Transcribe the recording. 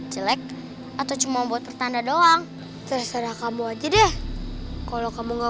cilik atau cuma buat petanda doang terserah kamu aja deh kalau kamu enggak